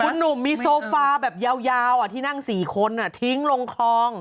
คุณหนุ่มมีโซฟาแบบยาวที่นั่ง๔คนทิ้งลงคลอง